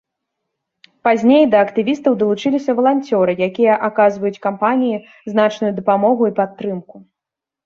Пазней, да актывістаў далучыліся валанцёры, якія аказваюць кампаніі значную дапамогу і падтрымку.